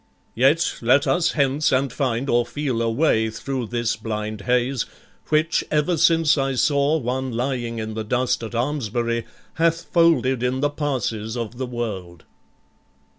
Yet let us hence, and find or feel a way Thro' this blind haze, which ever since I saw One lying in the dust at Almesbury, Hath folded in the passes of the world."